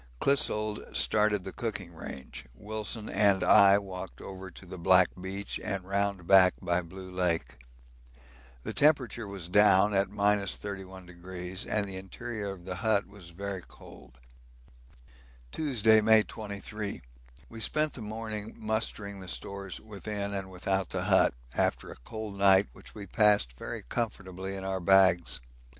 Clissold started the cooking range, Wilson and I walked over to the Black beach and round back by Blue Lake. The temperature was down at 31° and the interior of the hut was very cold. Tuesday, May 23. We spent the morning mustering the stores within and without the hut, after a cold night which we passed very comfortably in our bags.